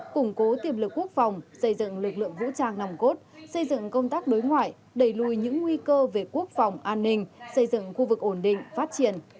củng cố tiềm lực quốc phòng xây dựng lực lượng vũ trang nòng cốt xây dựng công tác đối ngoại đẩy lùi những nguy cơ về quốc phòng an ninh xây dựng khu vực ổn định phát triển